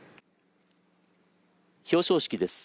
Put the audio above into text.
表彰式です。